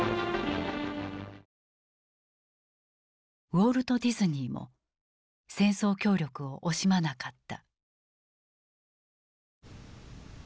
ウォルト・ディズニーも戦争協力を惜しまなかった。